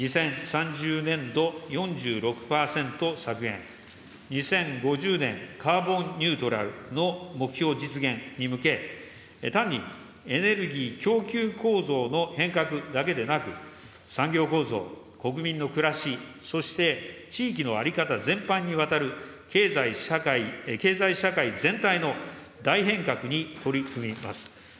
２０３０年度、４６％削減、２０５０年カーボンニュートラルの目標実現に向け、単にエネルギー供給構造の変革だけでなく、産業構造、国民の暮らし、そして、地域の在り方全般にわたる経済社会全体の大変革に取り組みます。